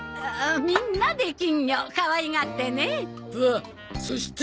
みんなで金魚かわいがってね。